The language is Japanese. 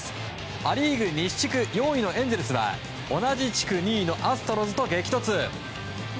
ア・リーグ西地区４位のエンゼルスは同じ地区２位のアストロズと激突。